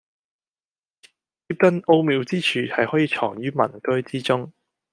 折凳奧妙之處，係可以藏於民居之中